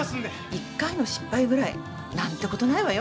一回の失敗ぐらい何てことないわよ。